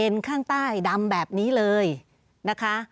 ทางหลายทางใต้ดำแบบนี้เลยนะคะ